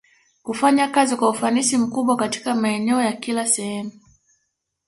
Kufanya kazi kwa ufanisi mkubwa Katika maeneo ya kila Sehemu